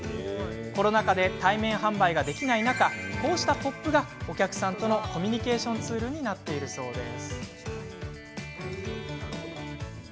コロナ禍で対面販売ができない中こうしたＰＯＰが、お客さんとのコミュニケーションツールになっています。